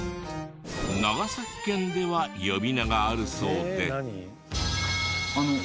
長崎県では呼び名があるそうで。